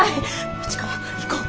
市川行こう。